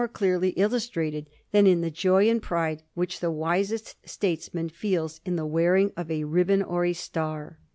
331 clearly illustrated than in the joy and pride which the wisest statesman feels in the wearing of a ribbon or a star.